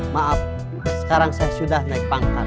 maaf sekarang saya sudah naik pangkal